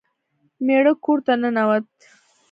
میړه کور ته ننوت.